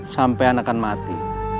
sampean akan mati